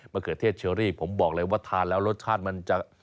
เขือเทศเชอรี่ผมบอกเลยว่าทานแล้วรสชาติมันจะ